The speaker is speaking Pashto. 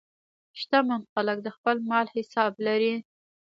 شتمن خلک د خپل مال حساب لري.